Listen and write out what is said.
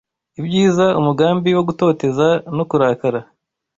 Ibyiza, umugambi wo gutoteza no kurakara